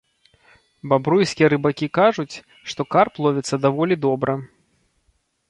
Бабруйскія рыбакі кажуць, што карп ловіцца даволі добра.